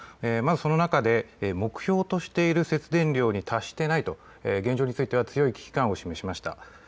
その中で目標としている節電量に達していないと現状については強い危機感を示しました。